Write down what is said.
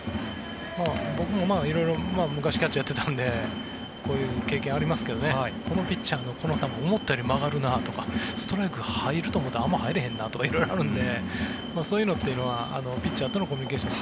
僕も色々、昔キャッチャーをやってたのでこういう経験ありますけどこのピッチャーのこの球思ったより曲がるなとかストライク入ると思ったらあまり入らへんなとか色々あるのでそういうのというのはピッチャーとのコミュニケーション